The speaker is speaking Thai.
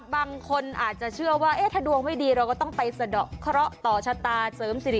บางคนอาจจะเชื่อว่าถ้าดวงไม่ดีเราก็ต้องไปสะดอกเคราะห์ต่อชะตาเสริมสิริ